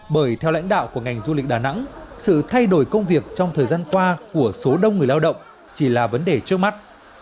bởi theo lãnh đạo của ngành du lịch đà nẵng sự thay đổi công việc trong thời gian qua của số đông người lao động chỉ là vấn đề trước mắt